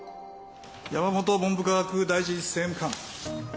山本文部科学大臣政務官。